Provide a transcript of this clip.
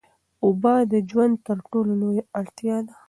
اوبه د ژوند تر ټولو لویه اړتیا ده.